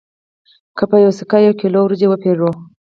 که په یوه سکه یو کیلو وریجې وپېرو